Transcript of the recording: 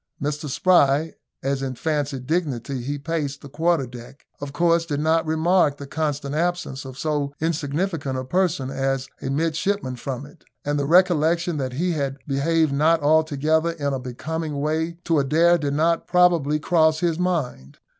Mr Spry, as in fancied dignity he paced the quarter deck, of course did not remark the constant absence of so insignificant a person as a midshipman from it; and the recollection that he had behaved not altogether in a becoming way to Adair did not probably cross his mind.